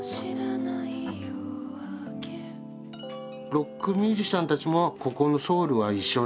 ロックミュージシャンたちもここのソウルは一緒だろうなと思ってね